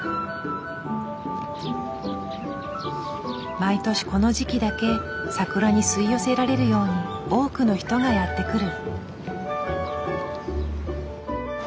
毎年この時期だけ桜に吸い寄せられるように多くの人がやって来る。